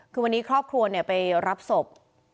คือวันนี้ครอบครัวไปรับศพ